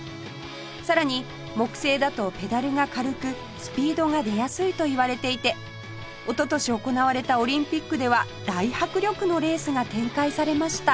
さらに木製だとペダルが軽くスピードが出やすいといわれていておととし行われたオリンピックでは大迫力のレースが展開されました